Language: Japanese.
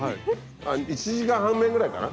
あっ１時間半目ぐらいかな